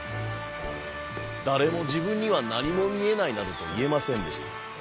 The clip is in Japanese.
だれもじぶんにはなにもみえないなどといえませんでした。